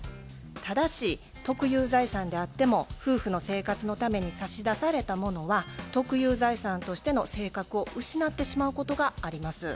ただし特有財産であっても夫婦の生活のために差し出されたものは特有財産としての性格を失ってしまうことがあります。